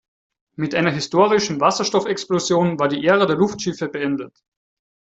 Mit einer historischen Wasserstoffexplosion war die Ära der Luftschiffe beendet.